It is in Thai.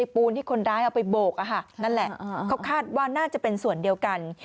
ปูนที่คนร้ายเอาไปโบกนั่นแหละเขาคาดว่าน่าจะเป็นส่วนเดียวกัน